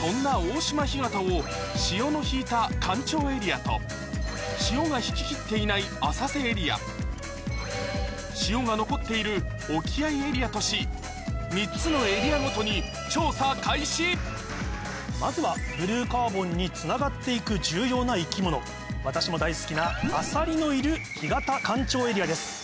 そんな大島干潟を潮の引いた干潮エリアと潮が引ききっていない浅瀬エリア潮が残っている沖合エリアとしまずはブルーカーボンにつながって行く重要な生き物私も大好きなアサリのいる干潟干潮エリアです。